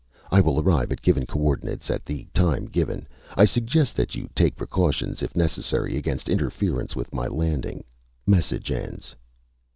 I will arrive at given co ordinates at the time given. I suggest that you take precautions if necessary against interference with my landing. Message ends."